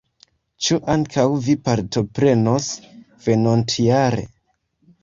Ĉu ankaŭ vi partoprenos venontjare?